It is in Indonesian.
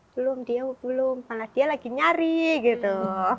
belum dia lagi nyari gitu